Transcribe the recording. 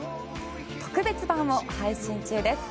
特別版を配信中です。